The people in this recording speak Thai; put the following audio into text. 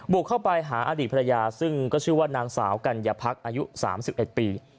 เข้าไปหาอดีตภรรยาซึ่งก็ชื่อว่านางสาวกัญญาพักอายุ๓๑ปี